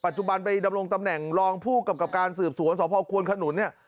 จุบันไปดำรงตำแหน่งรองผู้กำกับการสืบสวนสพควนขนุนเนี่ย